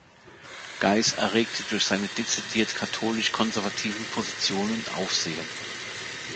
Geis erregte durch seine dezidiert katholisch-konservativen Positionen Aufsehen.